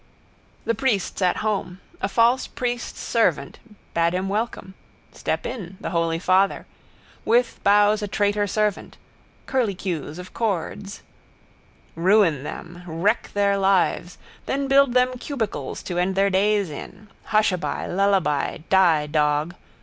The priest's at home. A false priest's servant bade him welcome. Step in. The holy father. With bows a traitor servant. Curlycues of chords. Ruin them. Wreck their lives. Then build them cubicles to end their days in. Hushaby. Lullaby. Die, dog.